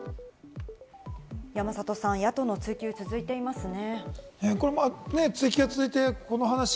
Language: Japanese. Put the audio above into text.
山里さん、野党の追及が続いていますね。